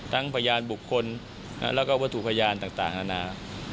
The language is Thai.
ทั้งพยานบุคคลและวัตถุพยานต่างนานา